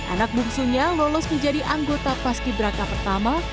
anak mursunya lolos menjadi anggota paskiberaka pertama